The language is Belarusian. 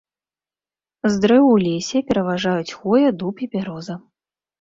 З дрэў у лесе пераважаюць хвоя, дуб і бяроза.